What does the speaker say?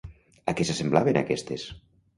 A què s'assemblaven aquestes?